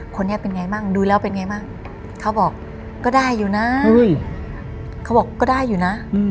คนนี้เป็นไงบ้างดูแล้วเป็นไงบ้างเขาบอกก็ได้อยู่นะเขาบอกก็ได้อยู่นะ